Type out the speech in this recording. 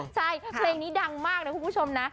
ใช่เพลงนี้ดังมากนะคุณผู้ชมนะ